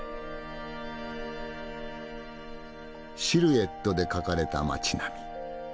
シルエットで描かれた街並み。